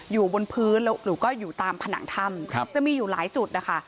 อยู่บนพื้นแล้วหนูก็อยู่ตามผนังถ้ำจะมีอยู่หลายจุดนะคะ